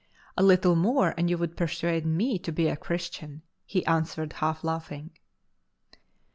" A little more and you would persuade me to be a Christian," he answered, half laughing.